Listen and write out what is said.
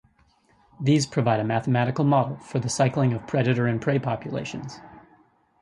These provide a mathematical model for the cycling of predator and prey populations.